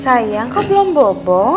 sayang kok belum bobo